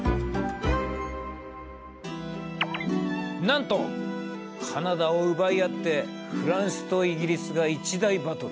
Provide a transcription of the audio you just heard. なんとカナダを奪い合ってフランスとイギリスが一大バトル。